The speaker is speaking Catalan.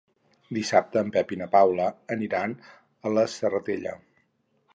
Dissabte en Pep i na Paula aniran a la Serratella.